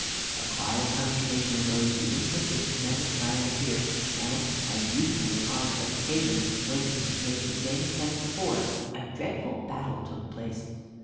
A cry of consternation arose the instant this tremendous giant appeared, and, as usual on such occasions, when he had made the same attempt before, a dreadful battle took place.